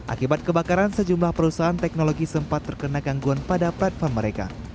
akibat kebakaran sejumlah perusahaan teknologi sempat terkena gangguan pada platform mereka